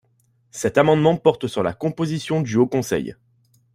Cet amendement porte sur la composition du Haut conseil.